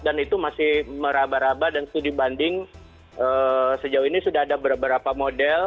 dan itu masih meraba raba dan itu dibanding sejauh ini sudah ada beberapa model